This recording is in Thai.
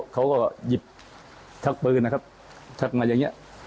เขาก็หยิบชักปืนอย่างเงี้ย